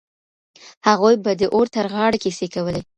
هغوی به د اور تر غاړې کيسې کولې.